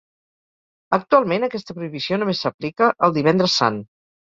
Actualment aquesta prohibició només s'aplica al Divendres Sant.